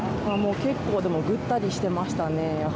結構、ぐったりしていましたね。